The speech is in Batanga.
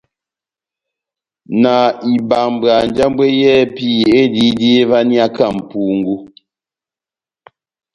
Na ibambwa njambwɛ yɛ́hɛ́pi ediyidi evaniyaka mʼpungú.